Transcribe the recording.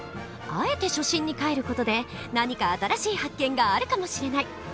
あえて初心にかえる事で何か新しい発見があるかもしれない！